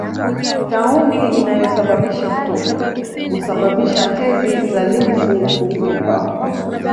Tauni inayosababisha mtoki husababisha tezi za limfu kuvimba